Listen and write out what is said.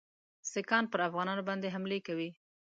سیکهان پر افغانانو باندي حملې کوي.